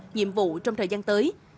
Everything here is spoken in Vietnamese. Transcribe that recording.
nhiệm vụ trong thời gian tới